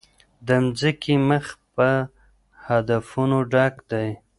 د مځکي مخ په هدفونو ډک دی.